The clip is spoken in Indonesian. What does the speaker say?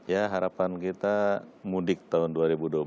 ya harapan kita mudik tahun dua ribu dua puluh empat ini mudik aman lancar nyaman